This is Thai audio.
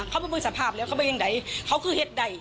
เขาเป็นสภาพแล้วเขาเป็นอย่างไรเขาคือเหตุใด